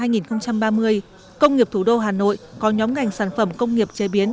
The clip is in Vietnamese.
năm hai nghìn ba mươi công nghiệp thủ đô hà nội có nhóm ngành sản phẩm công nghiệp chế biến